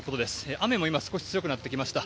雨も少し強くなってきました。